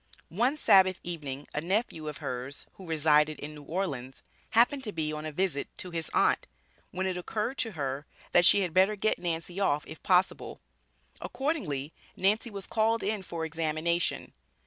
One Sabbath evening a nephew of hers, who resided in New Orleans, happened to be on a visit to his aunt, when it occurred to her, that she had "better get Nancy off if possible." Accordingly, Nancy was called in for examination.